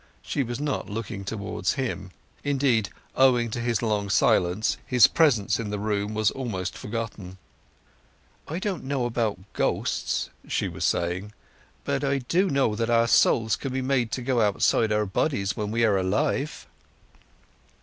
She was not looking towards him. Indeed, owing to his long silence, his presence in the room was almost forgotten. "I don't know about ghosts," she was saying; "but I do know that our souls can be made to go outside our bodies when we are alive."